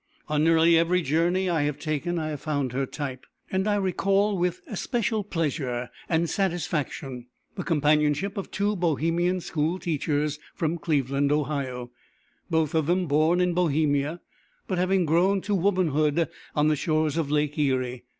On nearly every journey I have taken I have found her type, and I recall with especial pleasure and satisfaction the companionship of two Bohemian school teachers from Cleveland, Ohio, both of them born in Bohemia, but having grown to womanhood on the shores of Lake Erie.